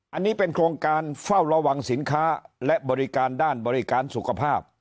อันนี้เป็นโครงการเฝ้าระวังสินค้าและบริการด้านบริการสุขภาพ